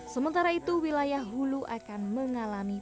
sementara itu wilayah hulu akan mengalami